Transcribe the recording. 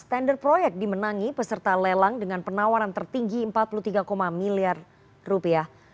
tender proyek dimenangi peserta lelang dengan penawaran tertinggi empat puluh tiga miliar rupiah